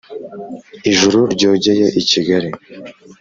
Ijuru ryogeye i Kigali,